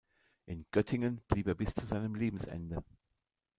In Göttingen blieb er bis zu seinem Lebensende.